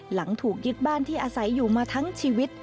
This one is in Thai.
หลังถูกยึดบ้านที่อาศัยอยู่มาทั้งชีวิต